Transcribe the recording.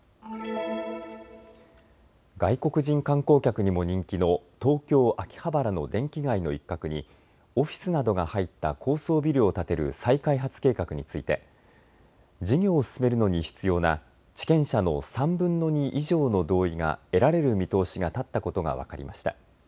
外国人観光客にも人気の東京秋葉原の電気街の一角にオフィスなどが入った高層ビルを建てる再開発計画について事業を進めるのに必要な地権者の３分の２以上の同意が得られる見通しが立ったことが分かりました。